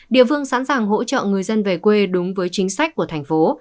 địa phương sẵn sàng hỗ trợ người dân về quê đúng với chính sách của thành phố